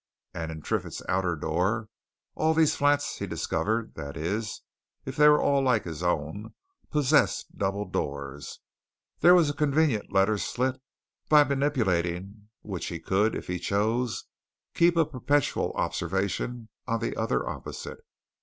And in Triffitt's outer door (all these flats, he discovered that is, if they were all like his own, possessed double doors) there was a convenient letter slit, by manipulating which he could, if he chose, keep a perpetual observation on the other opposite.